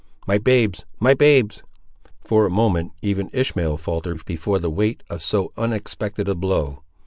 "My babes! my babes!" For a moment even Ishmael faltered before the weight of so unexpected a blow.